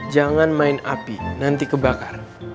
jangan main api nanti kebakar